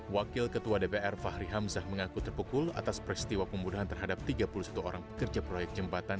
wakil ketua dpr fahri hamzah mengaku terpukul atas peristiwa pembunuhan terhadap tiga puluh satu orang pekerja proyek jembatan